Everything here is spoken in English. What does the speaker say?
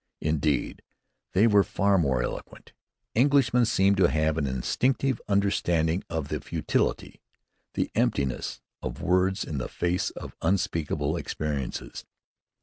Indeed, they were far more eloquent! Englishmen seem to have an instinctive understanding of the futility, the emptiness, of words in the face of unspeakable experiences.